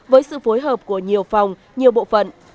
với sự phối hợp của nhiều phòng nhiều bộ phận